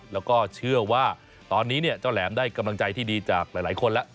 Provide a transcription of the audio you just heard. แล้วก็เชื่อว่าตอนนี้เจ้าแหลมได้กำลังใจที่ดีจากหลายคนแล้ว